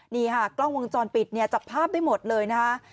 นี่ค่ะกล้องวงจรปิดเนี่ยจับภาพได้หมดเลยนะคะ